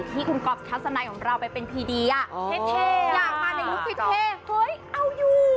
ที่คุณก๊อฟทัศนัยของเราไปเป็นพีดีอ่ะเท่อยากมาในลุคเท่เฮ้ยเอาอยู่